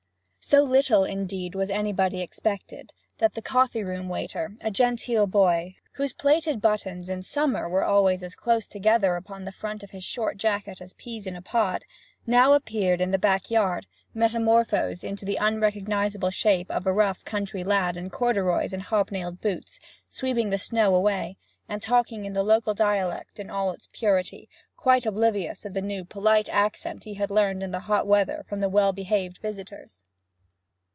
So little, indeed, was anybody expected, that the coffee room waiter a genteel boy, whose plated buttons in summer were as close together upon the front of his short jacket as peas in a pod now appeared in the back yard, metamorphosed into the unrecognizable shape of a rough country lad in corduroys and hobnailed boots, sweeping the snow away, and talking the local dialect in all its purity, quite oblivious of the new polite accent he had learned in the hot weather from the well behaved visitors.